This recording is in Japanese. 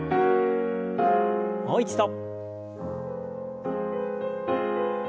もう一度。